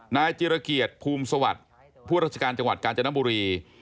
นายจิรเกียรติภูมิสวัสดิ์ผู้ราชการจังหวัดกาญจนบุรี